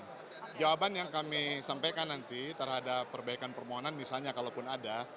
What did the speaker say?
dan jawaban yang kami sampaikan nanti terhadap perbaikan permohonan misalnya kalaupun ada